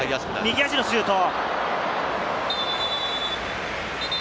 右足のシュート！